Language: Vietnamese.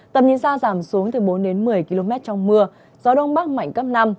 tầm nhìn xa giảm xuống từ bốn đến một mươi km trong mưa gió đông bắc mạnh cấp năm